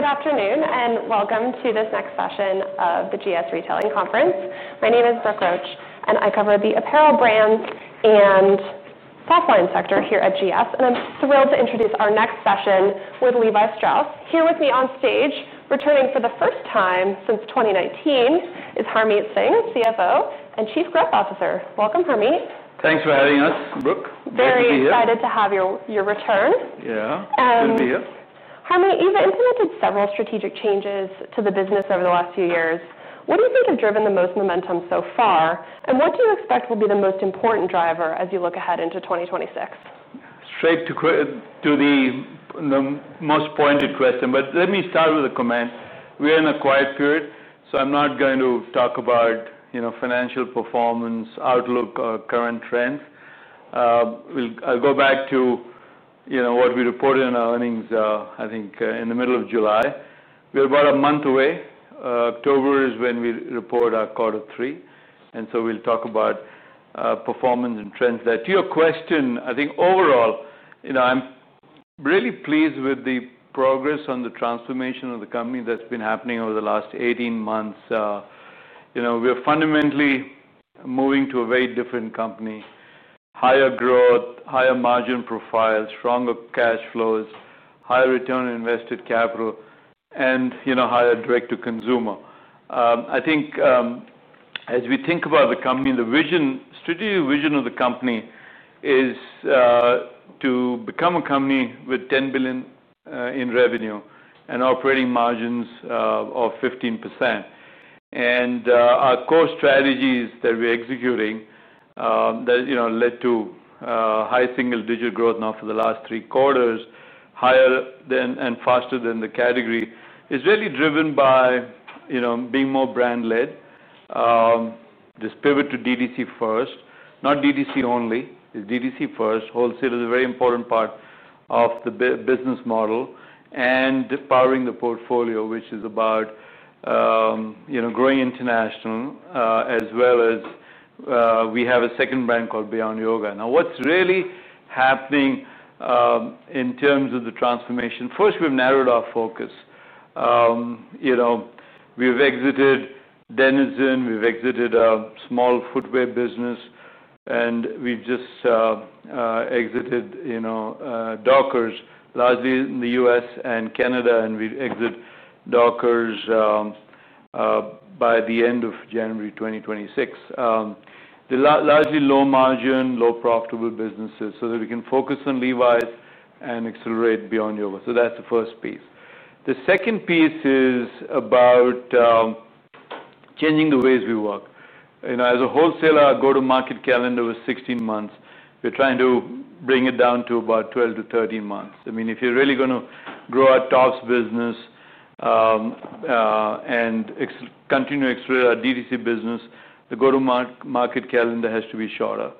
... Good afternoon, and welcome to this next session of the GS Retailing Conference. My name is Brooke Roach, and I cover the apparel brands and softline sector here at GS, and I'm thrilled to introduce our next session with Levi Strauss. Here with me on stage, returning for the first time since twenty nineteen, is Harmeet Singh, CFO and Chief Growth Officer. Welcome, Harmeet. Thanks for having us, Brooke. Glad to be here. Very excited to have your return. Yeah, good to be here. Harmeet, you've implemented several strategic changes to the business over the last few years. What do you think have driven the most momentum so far, and what do you expect will be the most important driver as you look ahead into 2026? Straight to the most pointed question, but let me start with a comment. We are in a quiet period, so I'm not going to talk about, you know, financial performance, outlook, or current trends. I'll go back to, you know, what we reported on our earnings, I think, in the middle of July. We're about a month away. October is when we report our Quarter Three, and so we'll talk about performance and trends then. To your question, I think overall, you know, I'm really pleased with the progress on the transformation of the company that's been happening over the last eighteen months. You know, we are fundamentally moving to a very different company, higher growth, higher margin profile, stronger cash flows, higher return on invested capital, and, you know, higher direct-to-consumer. I think, as we think about the company, the vision, strategic vision of the company is to become a company with $10 billion in revenue and operating margins of 15%. And our core strategies that we're executing, that, you know, led to high single-digit growth now for the last three quarters, higher than and faster than the category, is really driven by, you know, being more brand-led. This pivot to DTC first, not DTC only, it's DTC first. Wholesale is a very important part of the business model, and powering the portfolio, which is about, you know, growing international, as well as, we have a second brand called Beyond Yoga. Now, what's really happening, in terms of the transformation, first, we've narrowed our focus. You know, we've exited Denizen, we've exited a small footwear business, and we've just exited Dockers, largely in the U.S. and Canada, and we'll exit Dockers by the end of January 2026. They're largely low margin, low profitable businesses, so that we can focus on Levi's and accelerate Beyond Yoga. So that's the first piece. The second piece is about changing the ways we work, and as a wholesaler, our go-to-market calendar was 16 months. We're trying to bring it down to about 12 to 13 months. I mean, if you're really gonna grow our tops business and continue to accelerate our DTC business, the go-to-market calendar has to be shorter.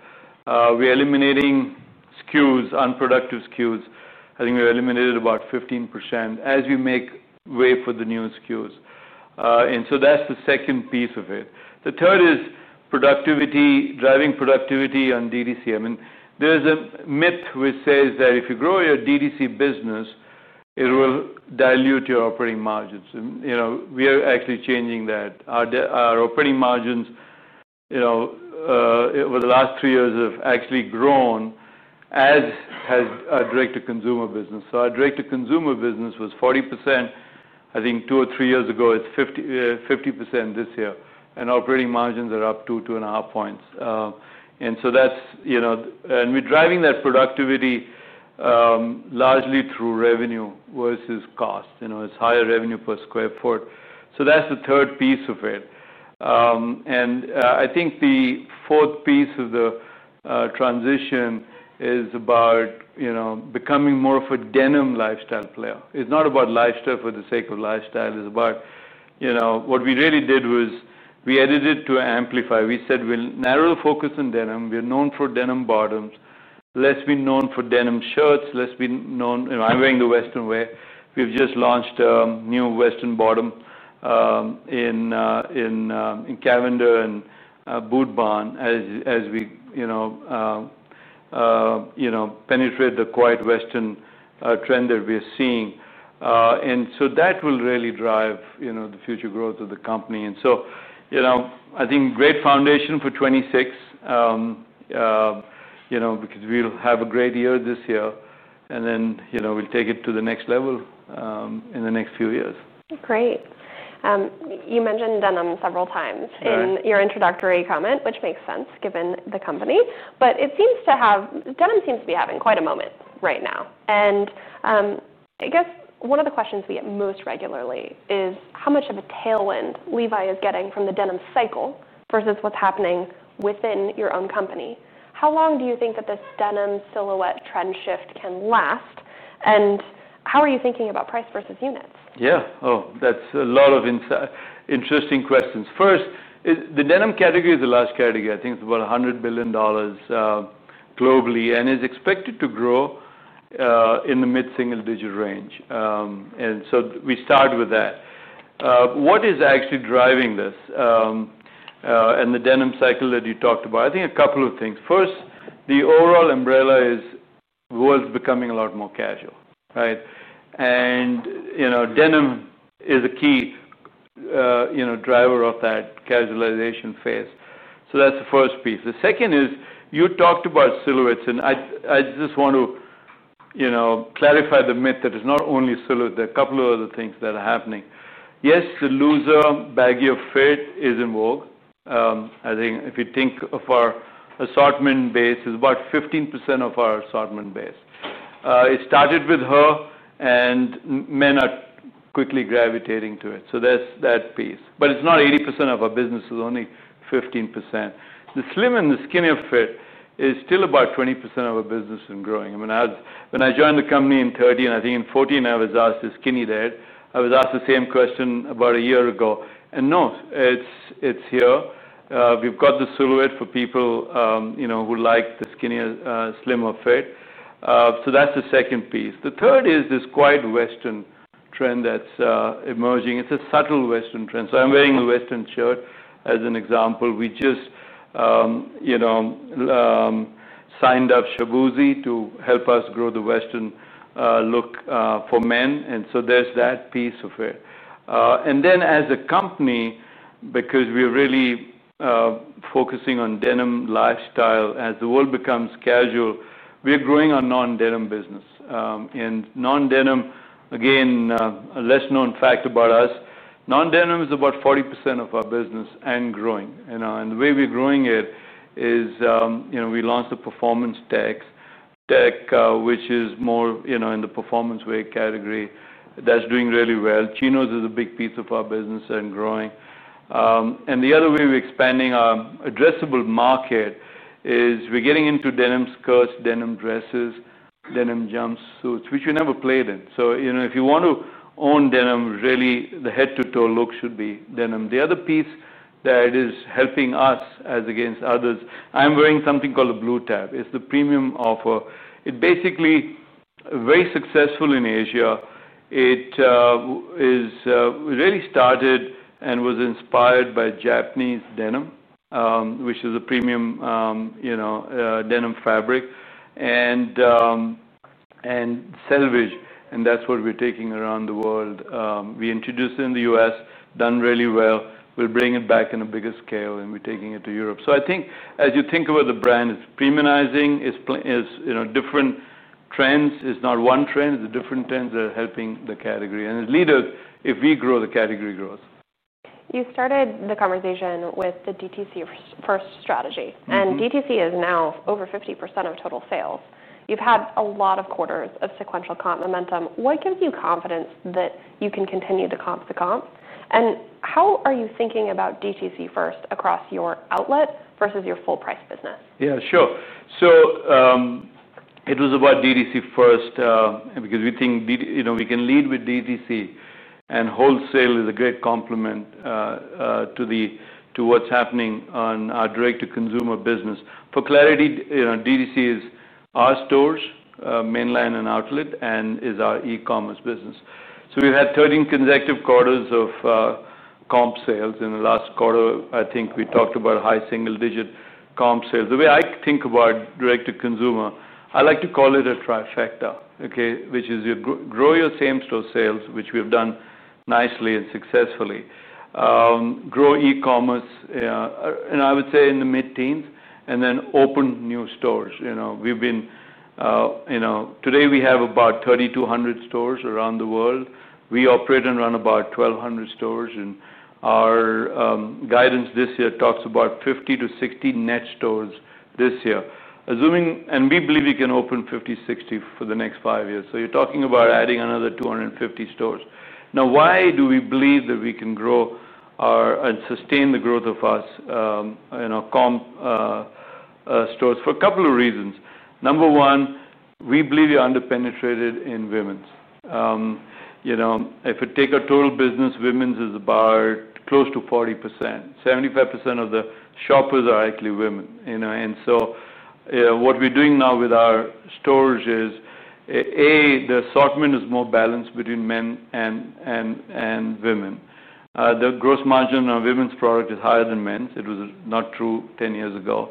We're eliminating SKUs, unproductive SKUs. I think we eliminated about 15% as we make way for the new SKUs. And so that's the second piece of it. The third is productivity, driving productivity on DTC. I mean, there's a myth which says that if you grow your DTC business, it will dilute your operating margins. You know, we are actually changing that. Our operating margins, you know, over the last three years have actually grown, as has our direct-to-consumer business. So our direct-to-consumer business was 40%, I think two or three years ago. It's 50% this year, and operating margins are up two, two and a half points. And so that's, you know... And we're driving that productivity, largely through revenue versus cost. You know, it's higher revenue per sq ft. So that's the third piece of it. And, I think the fourth piece of the transition is about, you know, becoming more of a denim lifestyle player. It's not about lifestyle for the sake of lifestyle. It's about, you know... What we really did was we edited to amplify. We said, "We'll narrow the focus on denim. We're known for denim bottoms. Let's be known for denim shirts. Let's be known..." You know, I'm wearing a western wear. We've just launched a new western bottom, in Cavender and Boot Barn, as we, you know, penetrate the quiet western trend that we're seeing. And so that will really drive, you know, the future growth of the company. And so, you know, I think great foundation for 2026. You know, because we'll have a great year this year, and then, you know, we'll take it to the next level in the next few years. Great. You mentioned denim several times- Right... in your introductory comment, which makes sense given the company. But it seems to have... Denim seems to be having quite a moment right now, and, I guess one of the questions we get most regularly is how much of a tailwind Levi is getting from the denim cycle versus what's happening within your own company. How long do you think that this denim silhouette trend shift can last, and how are you thinking about price versus units? Yeah. Oh, that's a lot of interesting questions. First, the denim category is a large category. I think it's about $100 billion globally and is expected to grow in the mid-single-digit range. And so we start with that. What is actually driving this and the denim cycle that you talked about? I think a couple of things. First, the overall umbrella is the world's becoming a lot more casual, right? And you know, denim is a key driver of that casualization phase. So that's the first piece. The second is, you talked about silhouettes, and I just want to you know, clarify the myth that it's not only silhouettes. There are a couple of other things that are happening. Yes, the looser, baggier fit is in vogue. I think if you think of our assortment base, it's about 15% of our assortment base. It started with her, and men are quickly gravitating to it, so there's that piece. But it's not 80% of our business. It's only 15%. The slim and the skinnier fit is still about 20% of our business and growing. When I joined the company in 2013, and I think in 2014, I was asked, is skinny dead? I was asked the same question about a year ago, and no, it's here. We've got the silhouette for people, you know, who like the skinnier, slimmer fit. So that's the second piece. The third is this quite Western trend that's emerging. It's a subtle Western trend. So I'm wearing a Western shirt as an example. We just, you know, signed up Shaboozey to help us grow the Western look for men, and so there's that piece of it, and then as a company, because we're really focusing on denim lifestyle, as the world becomes casual, we're growing our non-denim business, and non-denim, again, a less known fact about us, non-denim is about 40% of our business and growing. You know, and the way we're growing it is, you know, we launched a performance tech, which is more, you know, in the performance wear category. That's doing really well. Chinos is a big piece of our business and growing, and the other way we're expanding our addressable market is we're getting into denim skirts, denim dresses, denim jumpsuits, which we never played in. So, you know, if you want to own denim, really the head-to-toe look should be denim. The other piece that is helping us as against others, I'm wearing something called a Blue Tab. It's the premium offer. It basically very successful in Asia. It is really started and was inspired by Japanese denim, which is a premium, you know, denim fabric and, and selvedge, and that's what we're taking around the world. We introduced it in the U.S., done really well. We're bringing it back in a bigger scale, and we're taking it to Europe. So I think as you think about the brand, it's premiumizing, it's, you know, different trends. It's not one trend. The different trends are helping the category, and as leaders, if we grow, the category grows. You started the conversation with the DTC first strategy- Mm-hmm. And DTC is now over 50% of total sales. You've had a lot of quarters of sequential comp momentum. What gives you confidence that you can continue to comp to comp, and how are you thinking about DTC first across your outlet versus your full price business? Yeah, sure. It was about DTC first, because we think DTC. You know, we can lead with DTC, and wholesale is a great complement to what's happening on our direct-to-consumer business. For clarity, you know, DTC is our stores, mainline and outlet, and is our e-commerce business. So we've had 13 consecutive quarters of comp sales. In the last quarter, I think we talked about high single-digit% comp sales. The way I think about direct to consumer, I like to call it a trifecta, okay? Which is you grow your same store sales, which we've done nicely and successfully. Grow e-commerce, and I would say in the mid-teens%, and then open new stores. You know, today, we have about 3,200 stores around the world. We operate and run about 1,200 stores, and our guidance this year talks about 50-60 net stores this year. Assuming, and we believe we can open 50-60 for the next 5 years, so you're talking about adding another 250 stores. Now, why do we believe that we can grow our, and sustain the growth of us, in our comp stores? For a couple of reasons. Number one, we believe we're underpenetrated in women's. You know, if you take our total business, women's is about close to 40%. 75% of the shoppers are actually women, you know? And so what we're doing now with our stores is, A, the assortment is more balanced between men and women. The gross margin on women's product is higher than men's. It was not true 10 years ago.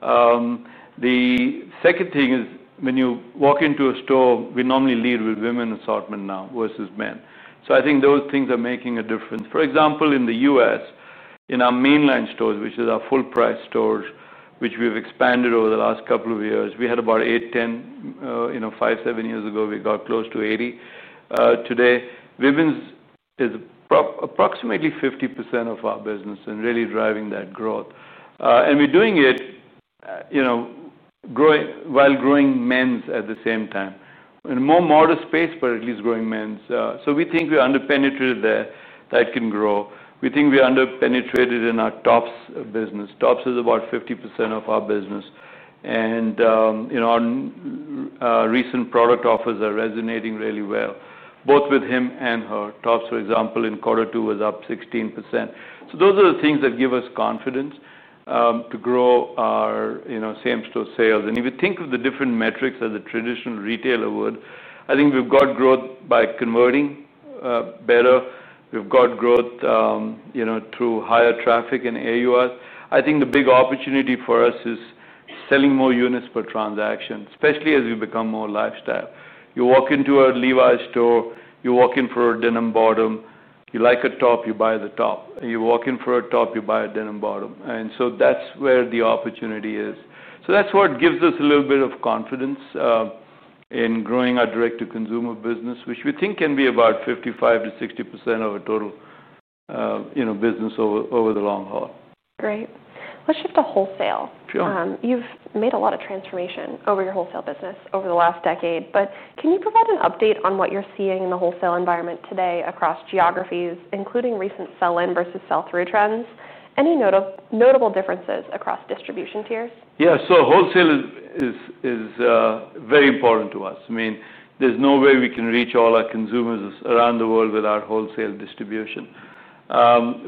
The second thing is when you walk into a store, we normally lead with women's assortment now versus men. So I think those things are making a difference. For example, in the U.S., in our mainline stores, which is our full price stores, which we've expanded over the last couple of years, we had about 8-10 5-7 years ago. We got close to 80. Today, women's is approximately 50% of our business and really driving that growth. And we're doing it, growing while growing men's at the same time. In a more modest pace, but at least growing men's. So we think we're underpenetrated there. That can grow. We think we are underpenetrated in our tops business. Tops is about 50% of our business, and, you know, our recent product offers are resonating really well, both with him and her. Tops, for example, in quarter two, was up 16%. So those are the things that give us confidence to grow our, you know, same-store sales, and if you think of the different metrics as a traditional retailer would, I think we've got growth by converting better. We've got growth, you know, through higher traffic and AU. I think the big opportunity for us is selling more units per transaction, especially as we become more lifestyle. You walk into a Levi's store, you walk in for a denim bottom, you like a top, you buy the top. You walk in for a top, you buy a denim bottom, and so that's where the opportunity is. That's what gives us a little bit of confidence in growing our direct-to-consumer business, which we think can be about 55%-60% of our total, you know, business over the long haul. Great. Let's shift to wholesale. Sure. You've made a lot of transformation over your wholesale business over the last decade, but can you provide an update on what you're seeing in the wholesale environment today across geographies, including recent sell-in versus sell-through trends? Any notable differences across distribution tiers? Yeah, so wholesale is very important to us. I mean, there's no way we can reach all our consumers around the world without wholesale distribution.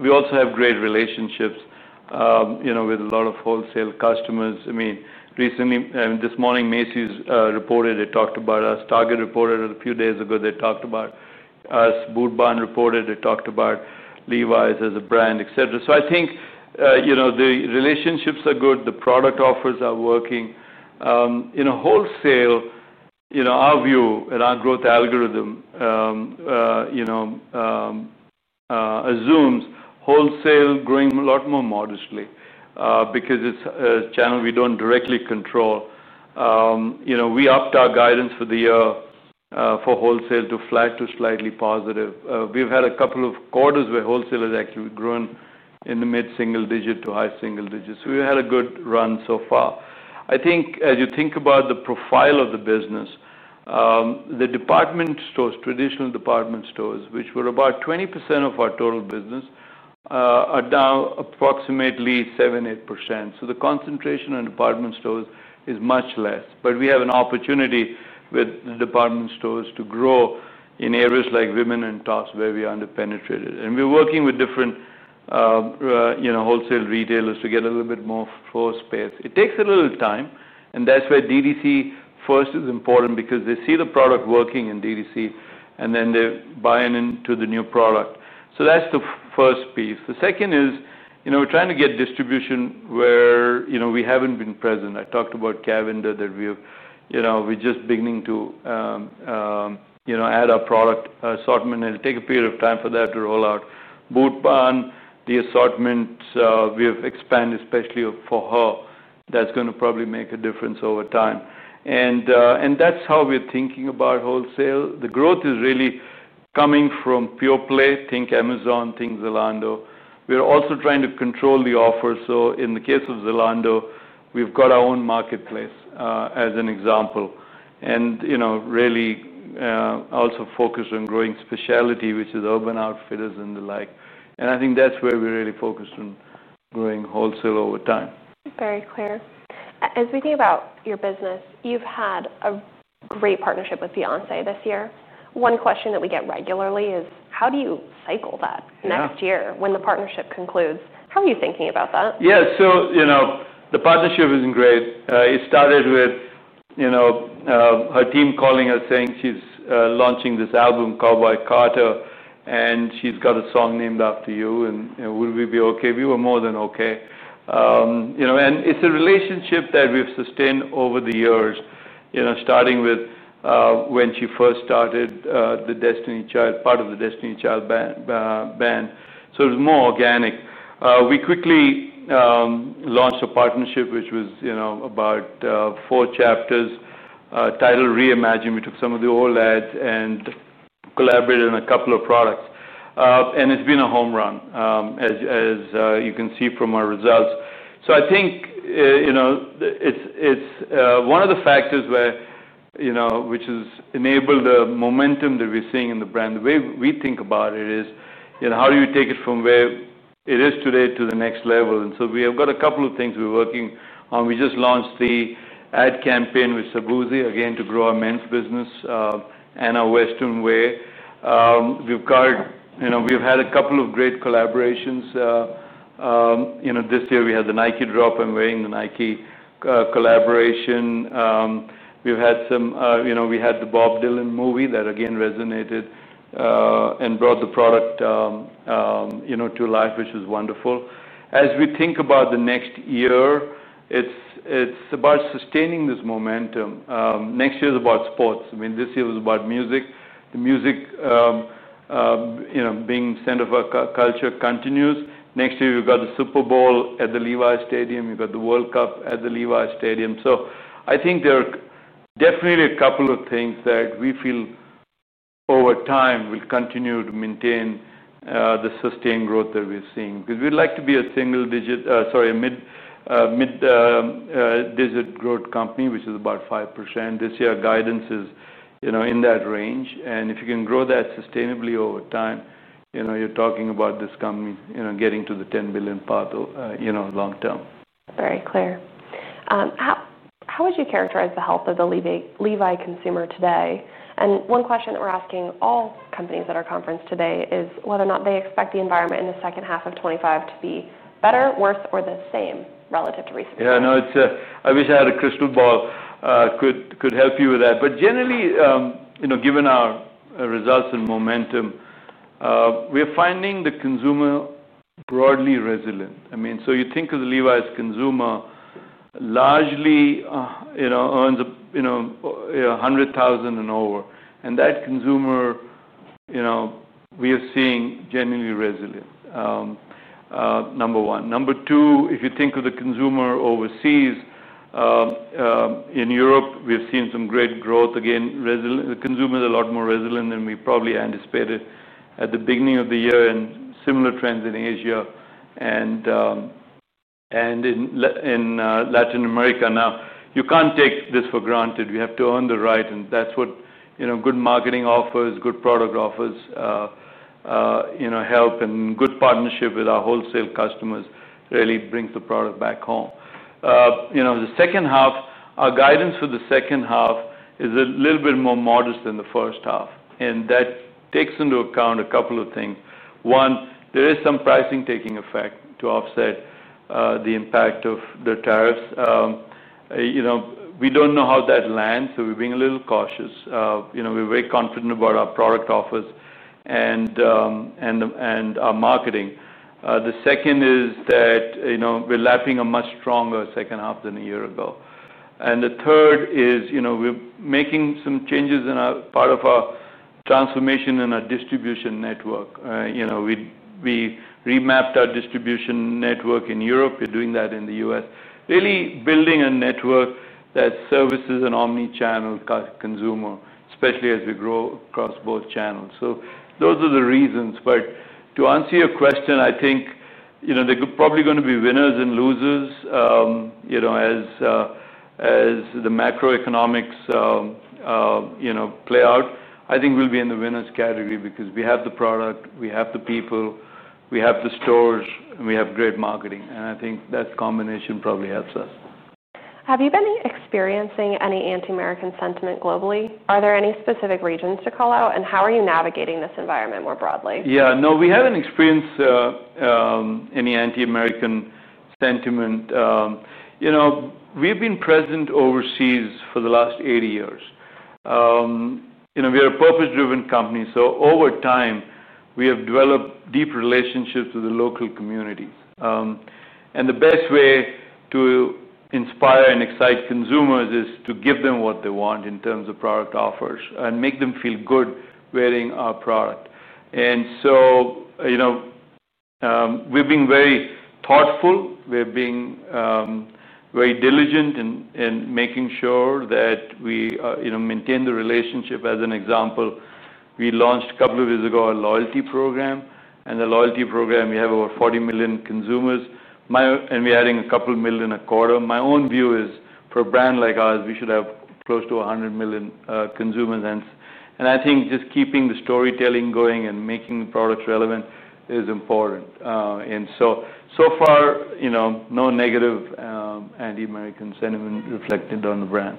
We also have great relationships, you know, with a lot of wholesale customers. I mean, recently... This morning, Macy's reported, they talked about us. Target reported a few days ago, they talked about us. Boot Barn reported, they talked about Levi's as a brand, et cetera. So I think, you know, the relationships are good, the product offers are working. In wholesale, you know, our view and our growth algorithm assumes wholesale growing a lot more modestly, because it's a channel we don't directly control. You know, we upped our guidance for the year for wholesale to flat to slightly positive. We've had a couple of quarters where wholesale has actually grown in the mid-single digit to high single digits. We've had a good run so far. I think as you think about the profile of the business, the department stores, traditional department stores, which were about 20% of our total business, are now approximately 7-8%, so the concentration on department stores is much less. But we have an opportunity with the department stores to grow in areas like women and tops, where we are underpenetrated. And we're working with different, you know, wholesale retailers to get a little bit more floor space. It takes a little time, and that's where DTC first is important, because they see the product working in DTC, and then they're buying into the new product. So that's the first piece. The second is, you know, we're trying to get distribution where, you know, we haven't been present. I talked about Cavender, that we've, you know, we're just beginning to, you know, add our product assortment, and it'll take a period of time for that to roll out. Boot Barn, the assortment, we have expanded, especially for her. That's gonna probably make a difference over time. And, and that's how we're thinking about wholesale. The growth is really coming from pure play, think Amazon, think Zalando. We're also trying to control the offer, so in the case of Zalando, we've got our own marketplace, as an example. And, you know, really, also focused on growing specialty, which is Urban Outfitters and the like, and I think that's where we're really focused on growing wholesale over time. Very clear. As we think about your business, you've had a great partnership with Beyoncé this year. One question that we get regularly is: how do you cycle that- Yeah Next year when the partnership concludes? How are you thinking about that? Yeah, so, you know, the partnership has been great. It started with, you know, her team calling us, saying, "She's launching this album, Cowboy Carter, and she's got a song named after you, and, you know, would we be okay?" We were more than okay, you know, and it's a relationship that we've sustained over the years, you know, starting with, when she first started, the Destiny's Child, part of the Destiny's Child band, so it was more organic. We quickly launched a partnership, which was, you know, about, four chapters, titled Reimagine. We took some of the old ads and collaborated on a couple of products, and it's been a home run, as you can see from our results. I think, you know, it's one of the factors where, you know, which has enabled the momentum that we're seeing in the brand. The way we think about it is, you know, how do you take it from where it is today to the next level? We have got a couple of things we're working on. We just launched the ad campaign with Shaboozey, again, to grow our men's business, and our Western wear. You know, we've had a couple of great collaborations. You know, this year we had the Nike drop. I'm wearing the Nike collaboration. You know, we had the Bob Dylan movie that again resonated, and brought the product, you know, to life, which was wonderful. As we think about the next year, it's about sustaining this momentum. Next year is about sports. I mean, this year was about music. The music, you know, being center of our culture continues. Next year, we've got the Super Bowl at the Levi's Stadium. We've got the World Cup at the Levi's Stadium. So I think there are definitely a couple of things that we feel over time will continue to maintain the sustained growth that we're seeing. Because we'd like to be a mid-digit growth company, which is about 5%. This year, our guidance is, you know, in that range, and if you can grow that sustainably over time, you know, you're talking about this company, you know, getting to the $10 billion path, you know, long term. Very clear. How would you characterize the health of the Levi's consumer today? And one question we're asking all companies at our conference today is whether or not they expect the environment in the second half of 2025 to be better, worse, or the same relative to recent? Yeah, I know, it's. I wish I had a crystal ball, could help you with that. But generally, you know, given our results and momentum, we're finding the consumer broadly resilient. I mean, so you think of the Levi's consumer largely, you know, earns, you know, 100,000 and over, and that consumer, you know, we are seeing generally resilient, number one. Number two, if you think of the consumer overseas, in Europe, we've seen some great growth. Again, resilient. The consumer is a lot more resilient than we probably anticipated at the beginning of the year, and similar trends in Asia and in Latin America. Now, you can't take this for granted. We have to earn the right, and that's what, you know, good marketing offers, good product offers, you know, help, and good partnership with our wholesale customers really brings the product back home. You know, the second half, our guidance for the second half is a little bit more modest than the first half, and that takes into account a couple of things. One, there is some pricing taking effect to offset the impact of the tariffs. You know, we don't know how that lands, so we're being a little cautious. You know, we're very confident about our product offers and our marketing. The second is that, you know, we're lapping a much stronger second half than a year ago, and the third is, you know, we're making some changes in part of our transformation and our distribution network. You know, we remapped our distribution network in Europe. We're doing that in the U.S. Really building a network that services an omni-channel consumer, especially as we grow across both channels. So those are the reasons, but to answer your question, I think, you know, there are probably gonna be winners and losers, you know, as the macroeconomics play out. I think we'll be in the winners category because we have the product, we have the people, we have the stores, and we have great marketing, and I think that combination probably helps us. Have you been experiencing any anti-American sentiment globally? Are there any specific regions to call out, and how are you navigating this environment more broadly? Yeah. No, we haven't experienced any anti-American sentiment. You know, we've been present overseas for the last eighty years. You know, we are a purpose-driven company, so over time, we have developed deep relationships with the local community. The best way to inspire and excite consumers is to give them what they want in terms of product offers and make them feel good wearing our product. So, you know, we're being very thoughtful. We're being very diligent in making sure that we, you know, maintain the relationship. As an example, we launched a couple of years ago, our loyalty program, and the loyalty program, we have over forty million consumers. We're adding a couple million a quarter. My own view is, for a brand like ours, we should have close to a hundred million consumers, and I think just keeping the storytelling going and making the product relevant is important, and so far, you know, no negative anti-American sentiment reflected on the brand.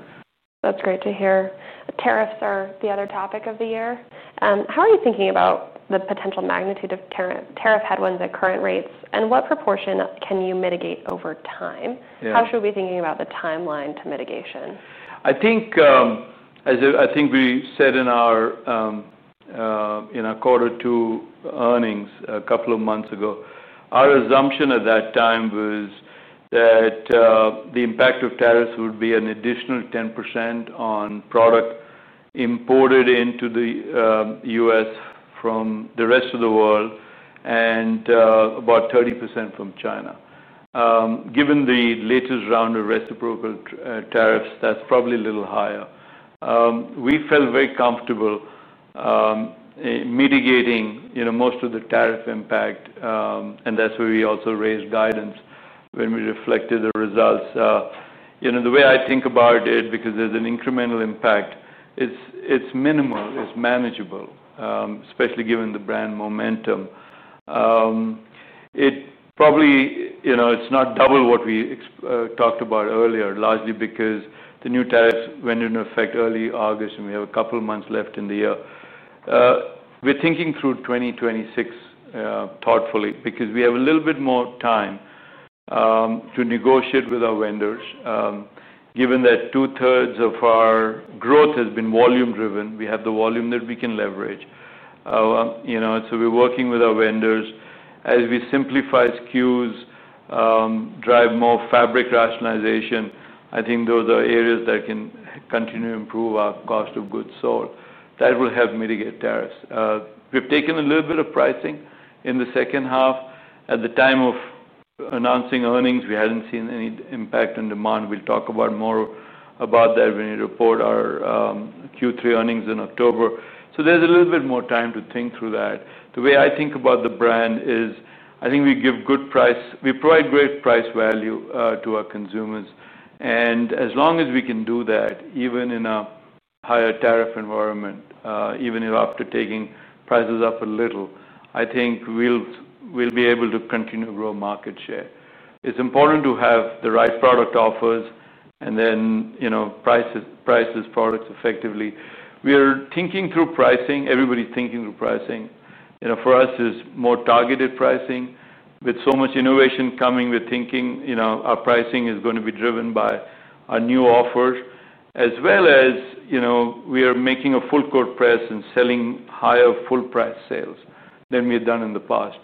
That's great to hear. Tariffs are the other topic of the year. How are you thinking about the potential magnitude of tariff headwinds at current rates, and what proportion can you mitigate over time? Yeah. How should we be thinking about the timeline to mitigation? I think, as we said in our quarter two earnings a couple of months ago, our assumption at that time was that the impact of tariffs would be an additional 10% on product imported into the US from the rest of the world and about 30% from China. Given the latest round of reciprocal tariffs, that's probably a little higher. We felt very comfortable mitigating, you know, most of the tariff impact, and that's why we also raised guidance when we reflected the results. You know, the way I think about it, because there's an incremental impact, it's minimal. It's manageable, especially given the brand momentum. It probably, you know, it's not double what we talked about earlier, largely because the new tariffs went into effect early August, and we have a couple of months left in the year. We're thinking through 2026 thoughtfully, because we have a little bit more time to negotiate with our vendors. Given that two-thirds of our growth has been volume driven, we have the volume that we can leverage. You know, so we're working with our vendors. As we simplify SKUs, drive more fabric rationalization, I think those are areas that can continue to improve our cost of goods sold. That will help mitigate tariffs. We've taken a little bit of pricing in the second half. At the time of announcing earnings, we hadn't seen any impact on demand. We'll talk about more about that when we report our Q3 earnings in October. So there's a little bit more time to think through that. The way I think about the brand is, I think we provide great price value to our consumers, and as long as we can do that, even in a higher tariff environment, even if after taking prices up a little, I think we'll be able to continue to grow market share. It's important to have the right product offers and then, you know, price products effectively. We are thinking through pricing. Everybody's thinking through pricing. You know, for us, it's more targeted pricing. With so much innovation coming, we're thinking, you know, our pricing is gonna be driven by a new offer, as well as, you know, we are making a full court press and selling higher full price sales than we've done in the past,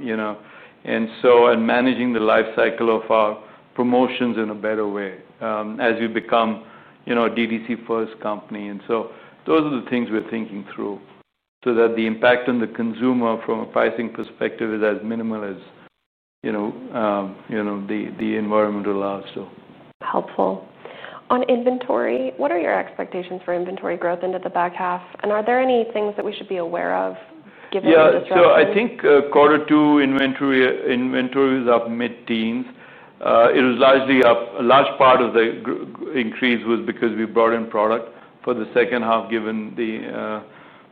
you know. And so, managing the life cycle of our promotions in a better way, as we become, you know, a DTC-first company. And so those are the things we're thinking through, so that the impact on the consumer from a pricing perspective is as minimal as, you know, you know, the environment allows for. Helpful. On inventory, what are your expectations for inventory growth into the back half? And are there any things that we should be aware of given the disruption? Yeah. So I think quarter two inventory was up mid-teens. It was largely up. A large part of the increase was because we brought in product for the second half, given the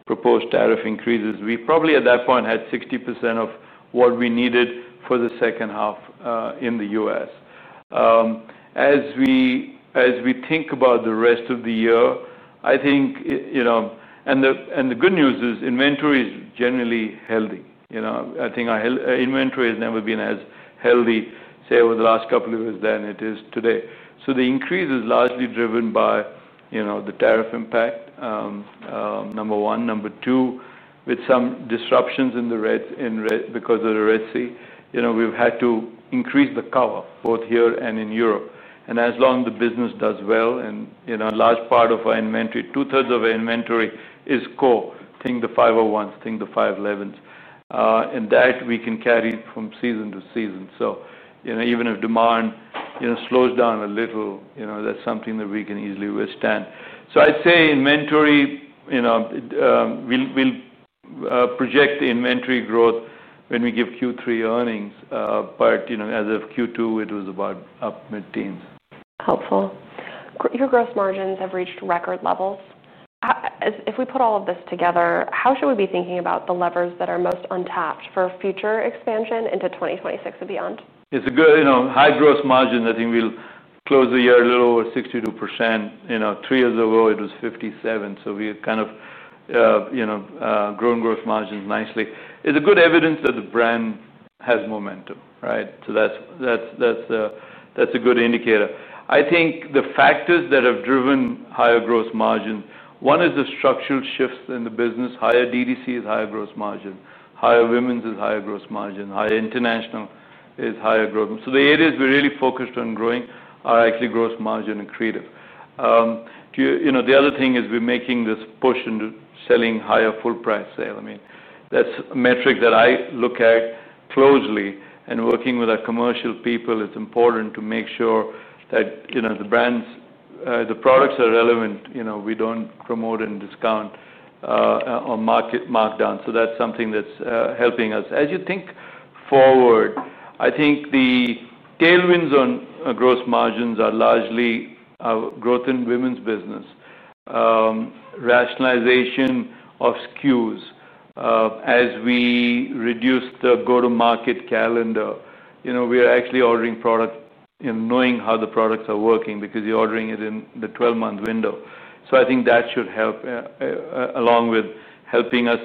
proposed tariff increases. We probably, at that point, had 60% of what we needed for the second half in the U.S. As we think about the rest of the year, I think, you know, and the good news is inventory is generally healthy. You know, I think our healthy inventory has never been as healthy, say, over the last couple of years than it is today, so the increase is largely driven by, you know, the tariff impact, number one. Number two, with some disruptions in the Red Sea, you know, we've had to increase the cover, both here and in Europe. And as long as the business does well and, you know, a large part of our inventory, two-thirds of our inventory is core. Think the 501s, think the 511s. And that we can carry from season to season. So, you know, even if demand, you know, slows down a little, you know, that's something that we can easily withstand. So I'd say inventory, you know, we'll project the inventory growth when we give Q3 earnings. But, you know, as of Q2, it was about up mid-teens. Helpful. Your gross margins have reached record levels. If we put all of this together, how should we be thinking about the levers that are most untapped for future expansion into 2026 and beyond? It's good, you know, high gross margin. I think we'll close the year a little over 62%. You know, three years ago, it was 57%, so we've kind of, you know, grown gross margins nicely. It's good evidence that the brand has momentum, right? So that's a good indicator. I think the factors that have driven higher gross margin, one is the structural shifts in the business. Higher DTC is higher gross margin. Higher women's is higher gross margin. Higher international is higher growth. So the areas we're really focused on growing are actually gross margin and accretive. You know, the other thing is we're making this push into selling higher full price sale. I mean, that's a metric that I look at closely, and working with our commercial people, it's important to make sure that, you know, the brands, the products are relevant. You know, we don't promote and discount on market markdown. So that's something that's helping us. As you think forward, I think the tailwinds on gross margins are largely growth in women's business, rationalization of SKUs. As we reduce the go-to-market calendar, you know, we are actually ordering product and knowing how the products are working because you're ordering it in the twelve-month window. So I think that should help, along with helping us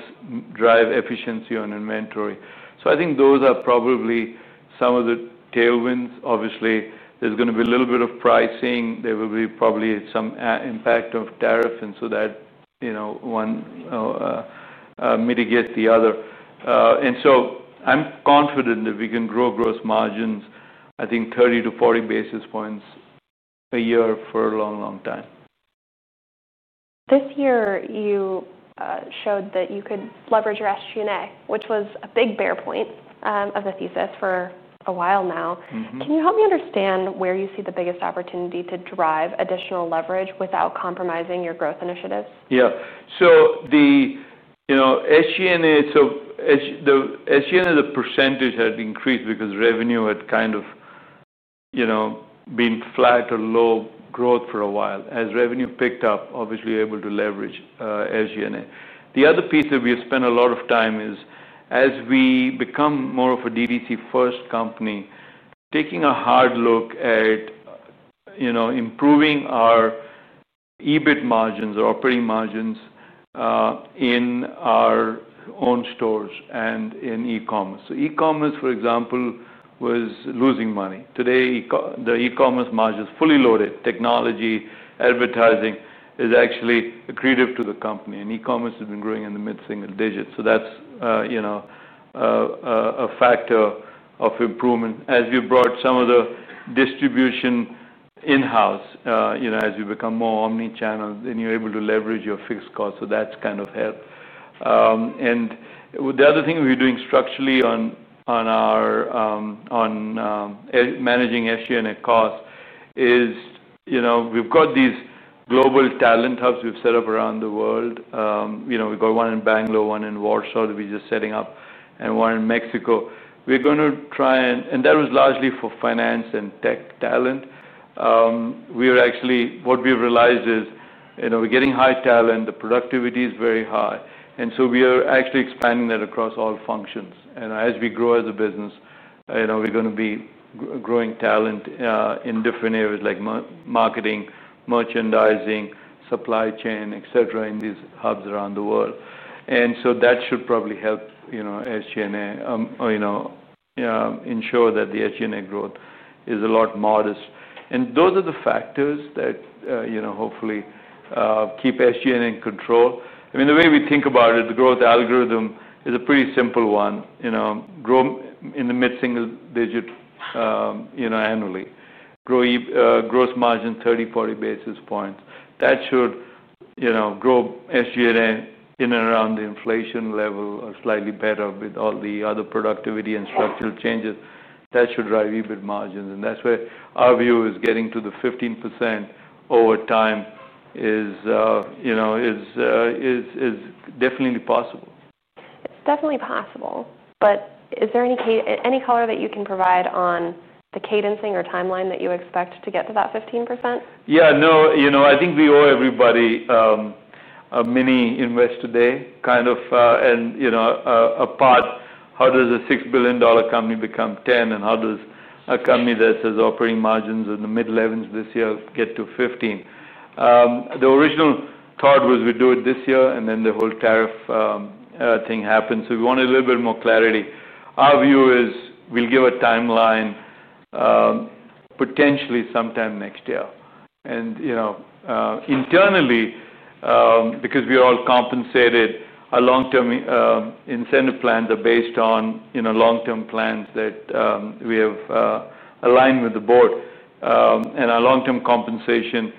drive efficiency on inventory. So I think those are probably some of the tailwinds. Obviously, there's gonna be a little bit of pricing. There will be probably some impact of tariffs and so that, you know, one will mitigate the other, and so I'm confident that we can grow gross margins. I think 30-40 basis points a year for a long, long time. This year, you showed that you could leverage your SG&A, which was a big bear point of the thesis for a while now. Mm-hmm. Can you help me understand where you see the biggest opportunity to drive additional leverage without compromising your growth initiatives? Yeah. So the, you know, SG&A, the percentage had increased because revenue had kind of, you know, been flat or low growth for a while. As revenue picked up, obviously, we were able to leverage SG&A. The other piece that we have spent a lot of time is, as we become more of a DTC-first company, taking a hard look at, you know, improving our EBIT margins or operating margins in our own stores and in e-commerce. So e-commerce, for example, was losing money. Today, the e-commerce margin is fully loaded. Technology, advertising is actually accretive to the company, and e-commerce has been growing in the mid-single digits. So that's, you know, a factor of improvement. As we brought some of the distribution in-house, you know, as you become more omni-channel, then you're able to leverage your fixed costs, so that's kind of helped, and the other thing we're doing structurally on managing SG&A costs is, you know, we've got these global talent hubs we've set up around the world. You know, we've got one in Bangalore, one in Warsaw that we're just setting up, and one in Mexico. That was largely for finance and tech talent. We are actually, what we've realized is, you know, we're getting high talent, the productivity is very high, and so we are actually expanding that across all functions. And as we grow as a business, you know, we're gonna be growing talent in different areas, like marketing, merchandising, supply chain, et cetera, in these hubs around the world. And so that should probably help, you know, SG&A, or, you know, ensure that the SG&A growth is a lot modest. And those are the factors that, you know, hopefully, keep SG&A in control. I mean, the way we think about it, the growth algorithm is a pretty simple one. You know, grow in the mid-single digit, you know, annually. Grow gross margin thirty, forty basis points. That should, you know, grow SG&A in and around the inflation level or slightly better with all the other productivity and structural changes. That should drive EBIT margins, and that's where our view is getting to the 15% over time is, you know, definitely possible. It's definitely possible, but is there any color that you can provide on the cadencing or timeline that you expect to get to that 15%? Yeah, no, you know, I think we owe everybody a mini Investor Day, kind of, and, you know, a path. How does a $6 billion company become $10 billion, and how does a company that says operating margins in the mid-11s% this year get to 15%? The original thought was we'd do it this year, and then the whole tariff thing happened, so we wanted a little bit more clarity. Our view is we'll give a timeline, potentially sometime next year. And, you know, internally, because we are all compensated, our long-term incentive plans are based on, you know, long-term plans that we have aligned with the board. And our long-term compensation,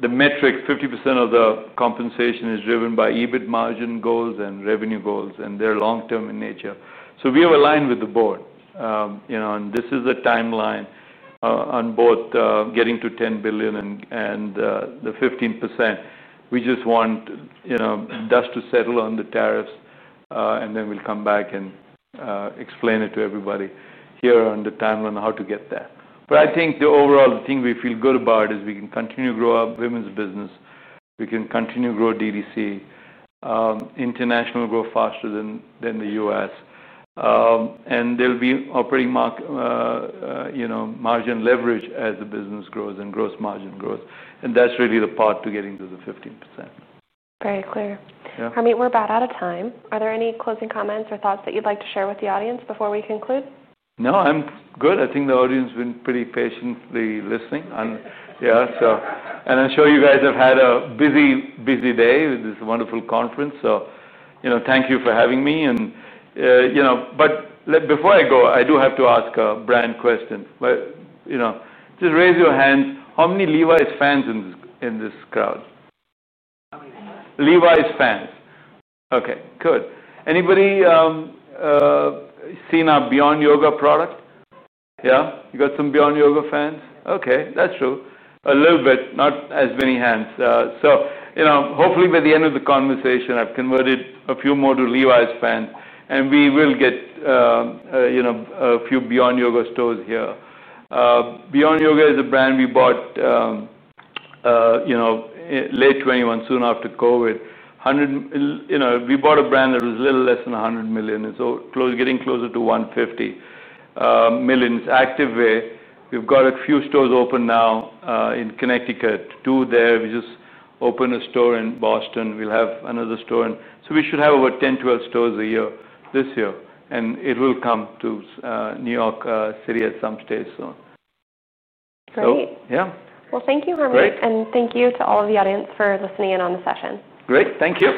the metric, 50% of the compensation is driven by EBIT margin goals and revenue goals, and they're long-term in nature. So we have aligned with the board. You know, and this is a timeline on both getting to $10 billion and the 15%. We just want, you know, dust to settle on the tariffs, and then we'll come back and explain it to everybody here on the timeline, how to get there. But I think the overall thing we feel good about is we can continue to grow our women's business. We can continue to grow DTC. International will grow faster than the U.S. And there'll be operating margin leverage as the business grows and gross margin grows, and that's really the path to getting to the 15%. Very clear. Yeah. Harmeet, we're about out of time. Are there any closing comments or thoughts that you'd like to share with the audience before we conclude? No, I'm good. I think the audience has been pretty patiently listening. Yeah, so. And I'm sure you guys have had a busy, busy day with this wonderful conference, so, you know, thank you for having me. And, you know, but before I go, I do have to ask a brand question. But, you know, just raise your hands, how many Levi's fans in this crowd? Levi's fans. Levi's fans. Okay, good. Anybody seen our Beyond Yoga product? Yeah, we got some Beyond Yoga fans. Okay, that's true. A little bit, not as many hands. So, you know, hopefully by the end of the conversation, I've converted a few more to Levi's fans, and we will get, you know, a few Beyond Yoga stores here. Beyond Yoga is a brand we bought, you know, late 2021, soon after COVID. Hundred and... You know, we bought a brand that was a little less than $100 million, so close- getting closer to $150 million. It's activewear. We've got a few stores open now, in Connecticut, two there. We just opened a store in Boston. We'll have another store in... So we should have over 10-12 stores a year this year, and it will come to New York City at some stage, so. Great. So, yeah. Thank you, Harmeet. Great. Thank you to all of the audience for listening in on the session. Great. Thank you.